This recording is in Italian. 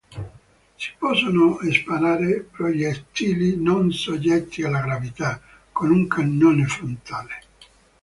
Si possono sparare proiettili, non soggetti alla gravità, con un cannone frontale.